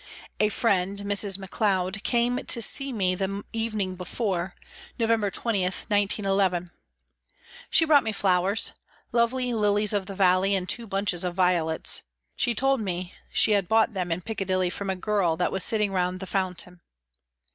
A friend, Mrs. MacLeod, came to see me the evening before, November 20, 1911. She brought me flowers, lovely lilies of the valley and two bunches of violets. She told me she had bought them in Piccadilly from a girl that was sitting round the fountain.